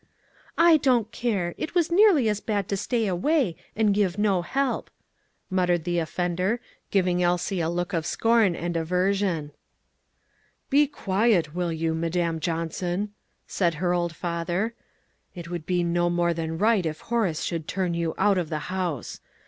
"I don't care, it was nearly as bad to stay away and give no help," muttered the offender, giving Elsie a look of scorn and aversion. "Be quiet, will you, Madam Johnson," said her old father; "it would be no more than right if Horace should turn you out of the house.